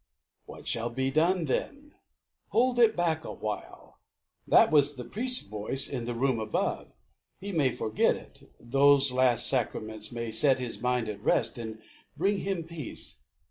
"What shall be done, then?" "Hold it back awhile. That was the priest's voice in the room above. He may forget it. Those last sacraments May set his mind at rest, and bring him peace."